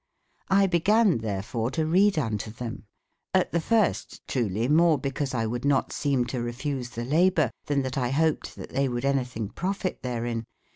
I be ganne tberfore to reade unto tbem, at tbe first truelie more bicauselwould not seme to refuse tbe laboure, tben tbat 1 booped tbat tbev would anytbing pro ftte tberein.